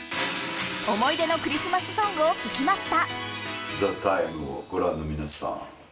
思い出のクリスマスソングを聞きました。